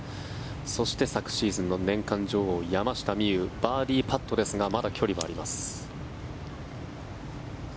そして昨シーズンの年間女王山下美夢有バーディーパットですがまだ距離はあります。